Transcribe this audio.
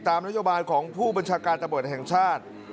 ตามนโยบายของผู้บัญชาการตระบุภูตรแห่งชาติ